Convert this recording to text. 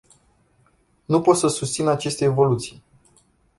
Nu pot să susțin aceste evoluții.